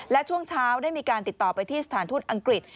และช่วงเช้าได้มีการติดต่อไปที่สถานทูตอังกฤษ